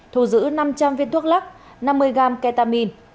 thu giữ năm trăm linh viên thuốc lắc năm mươi gram ketamin